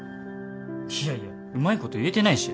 いやいやうまいこと言えてないし。